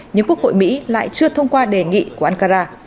nhưng quốc hội mỹ lại chưa thông qua đề nghị của ankara